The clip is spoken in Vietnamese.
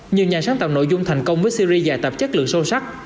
nhiều nhà sáng tạo nội dung thành công với series và tập chất lượng sâu sắc